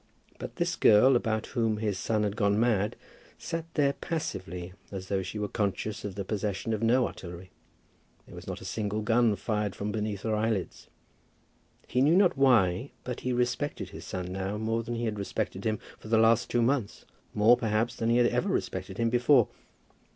But this girl, about whom his son had gone mad, sat there as passively as though she were conscious of the possession of no artillery. There was not a single gun fired from beneath her eyelids. He knew not why, but he respected his son now more than he had respected him for the last two months; more, perhaps, than he had ever respected him before.